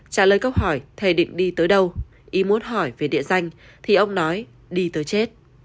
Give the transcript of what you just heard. trả lời câu hỏi thầy định đi tới đâu imo hỏi về địa danh thì ông nói đi tới chết